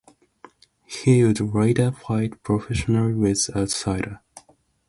He would later fight professionally with Outsider.